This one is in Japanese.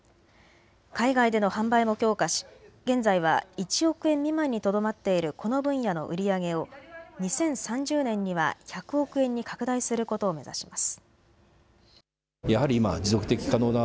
海外での販売も強化し現在は１億円未満にとどまっているこの分野の売り上げを２０３０年には１００億円に拡大することを目指します。